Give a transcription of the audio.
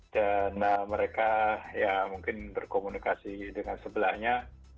dan mereka ya mungkin berkomunikasi dengan sebelahnya